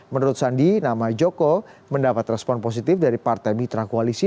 menurut sandi nama joko mendapat respon positif dari partai mitra koalisi